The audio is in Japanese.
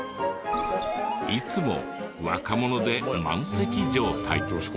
いつも若者で満席状態。